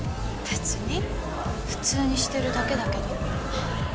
別に普通にしてるだけだけど。